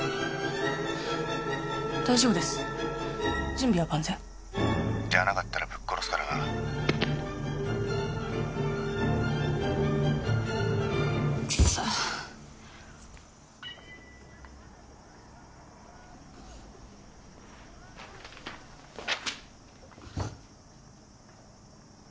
大丈夫です準備は万全☎じゃなかったらぶっ殺すからなクソッ！